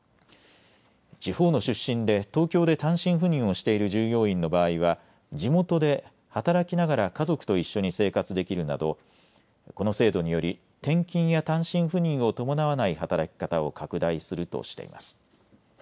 地方の出身で東京で単身赴任をしている従業員の場合は地元で働きながら家族と一緒に生活できるなどこの制度により転勤や単身赴任を伴わない働き方を拡大するとしています。